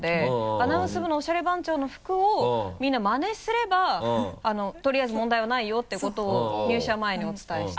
アナウンス部のおしゃれ番長の服をみんなマネすればとりあえず問題はないよっていうことを入社前にお伝えして。